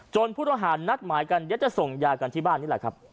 จนผู้ทหารนัดหมายกันจะส่งยากันที่บ้านนี่แหละครับ